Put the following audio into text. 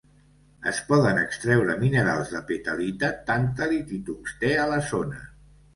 Es poden extreure minerals de petalita, tàntalit i tungstè a la zona.